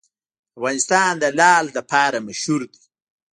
افغانستان د لعل لپاره مشهور دی.